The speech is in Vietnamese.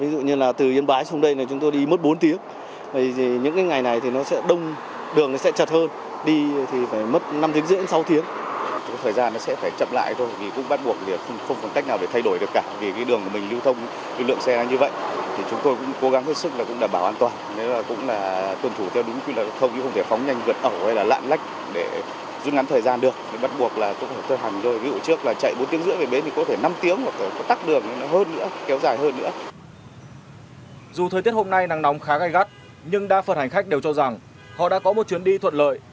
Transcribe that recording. dù thời tiết hôm nay nắng nóng khá gai gắt nhưng đa phần hành khách đều cho rằng họ đã có một chuyến đi thuận lợi